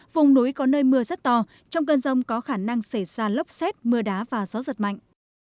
vùng núi có nơi mưa rất to trong cơn rông có khả năng xảy ra lốc xét mưa đá và gió giật mạnh